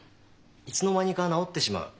いつのまにか治ってしまう。